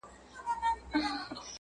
هغه د شنې ویالې پر څنډه شنه ولاړه ونه!